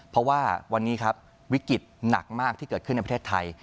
เพราะว่าวันนี้ครับวิกฤตหนักมากที่เกิดขึ้นในประเทศไทย